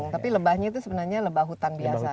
tapi lebahnya itu sebenarnya lebah hutan biasa